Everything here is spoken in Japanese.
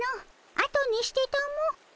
あとにしてたも。